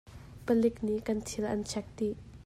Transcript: Palik nih kan thil an chek dih.